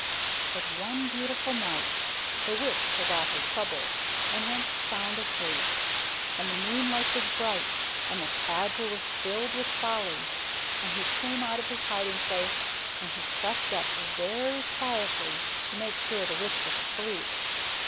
But one beautiful night the Witch forgot her troubles, and went sound asleep. And the moonlight was bright and the Tajer was filled with folly, and he came out of his hiding place, and he crept up very quietly to make sure that the Witch was asleep.